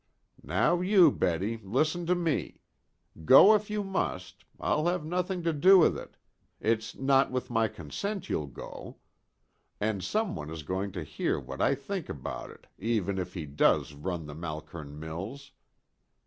"Now you, Betty, listen to me. Go, if go you must. I'll have nothing to do with it. It's not with my consent you'll go. And some one is going to hear what I think about it, even if he does run the Malkern Mills.